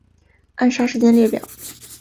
暗杀事件列表